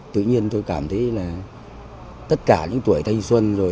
tự nhiên tôi cảm thấy là tất cả những tuổi thanh xuân rồi